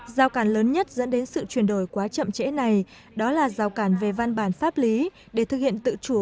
giao cản lớn nhất dẫn đến sự chuyển đổi quá chậm trễ này đó là rào cản về văn bản pháp lý để thực hiện tự chủ